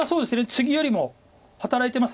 ツギよりも働いてます。